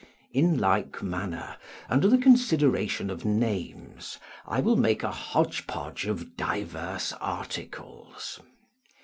In like manner, under the consideration of names, I will make a hodge podge of divers articles.